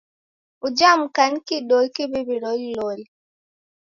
Uja mka ni kidoi kiw'iw'i loliloli.